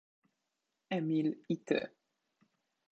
Emil i ty.